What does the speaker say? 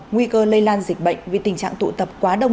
nguy cơ lây lan dịch bệnh vì tình trạng tụ tập quá đông